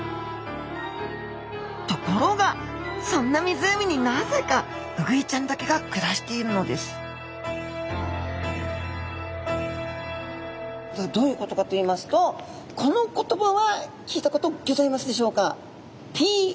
ところがそんな湖になぜかウグイちゃんだけが暮らしているのですどういうことかといいますとこの言葉は聞いたことギョざいますでしょうか？